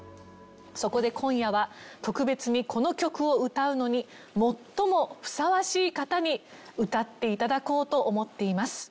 そこで今夜は特別にこの曲を歌うのに最もふさわしい方に歌って頂こうと思っています。